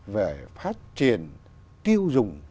về phát triển tiêu dùng